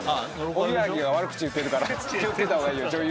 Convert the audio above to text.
おぎやはぎが悪口言ってるから気を付けた方がいい女優ぶるの。